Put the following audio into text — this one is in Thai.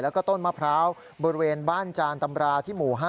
แล้วก็ต้นมะพร้าวบริเวณบ้านจานตำราที่หมู่๕